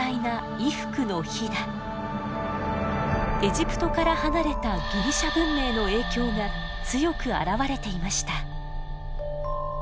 エジプトから離れたギリシャ文明の影響が強く表れていました。